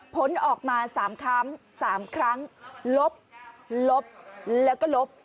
ผลออกมา๓ครั้งลบลบแล้วก็ลบ